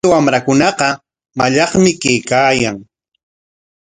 Kay wamrakunaqa mallaqmi kaykaayan.